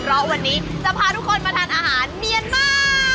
เพราะวันนี้จะพาทุกคนมาทานอาหารเมียนมา